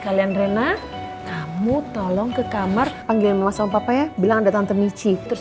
kalian rina kamu tolong ke kamar panggilin sama sama papa ya bilang ada tante michi terus